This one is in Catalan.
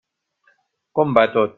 Com va tot?